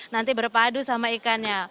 nanti berpadu sama ikannya